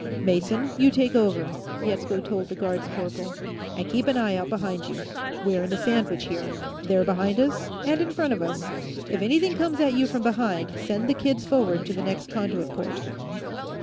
"Mason, you take over," Yetsko told the guards corporal. "And keep an eye out behind you. We're in a sandwich, here; they're behind us, and in front of us. If anything comes at you from behind, send the kids forward to the next conduit port."